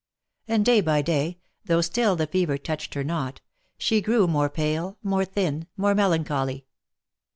And day by day, though still the fever touched her not, she grew more pale, more thin, more melancholy.